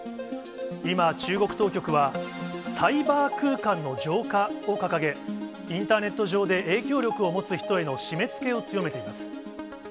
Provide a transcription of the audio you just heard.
今、中国当局は、サイバー空間の浄化を掲げ、インターネット上で影響力を持つ人への締めつけを強めています。